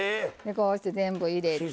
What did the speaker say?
こうして全部入れて。